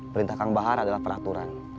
perintah kang bahar adalah peraturan